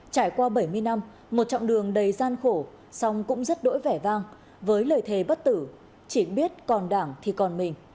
trải qua bảy mươi năm một chặng đường đầy gian khổ song cũng rất đỗi vang với lời thề bất tử chỉ biết còn đảng thì còn mình